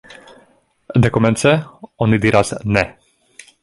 Dekomence, oni diras Ne!